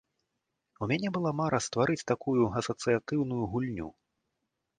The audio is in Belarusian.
У мяне была мара стварыць такую асацыятыўную гульню.